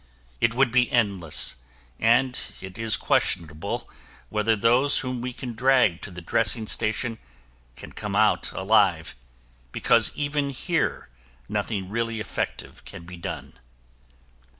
It would be endless and it is questionable whether those whom we can drag to the dressing station can come out alive, because even here nothing really effective can be done.